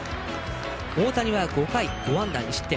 大谷は５回５安打、２失点。